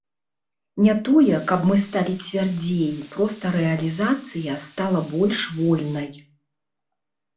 Не тое, каб мы сталі цвярдзей, проста рэалізацыя стала больш вольнай.